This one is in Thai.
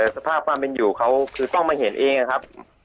สภาพความเป็นอยู่เขาคือต้องมาเห็นเองนะครับ